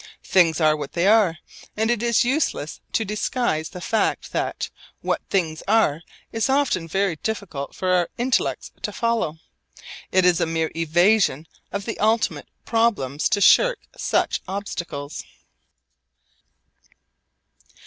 Things are what they are; and it is useless to disguise the fact that 'what things are' is often very difficult for our intellects to follow. It is a mere evasion of the ultimate problems to shirk such obstacles.